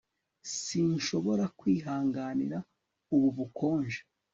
Sinshobora kwihanganira ubu bukonje